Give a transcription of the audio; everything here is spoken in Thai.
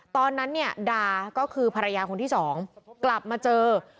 ตอนนั้นเนี่ยดาก็คือภรรยาคนที่สองกลับมาเจอ